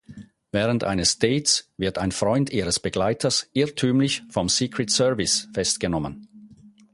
Während eines Dates wird ein Freund ihres Begleiters irrtümlich vom Secret Service festgenommen.